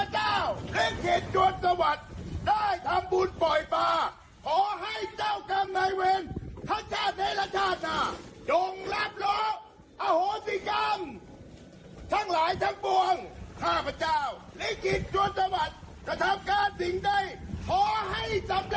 ต้องปรารถนาด้วยเชิญ